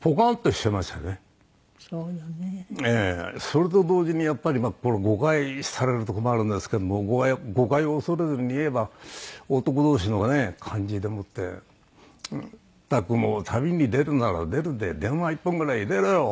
それと同時にやっぱりこれ誤解されると困るんですけども誤解を恐れずに言えば男同士のね感じでもってまったくもう旅に出るなら出るで電話一本ぐらい入れろよ！